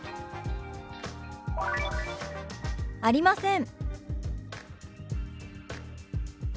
「ありません」。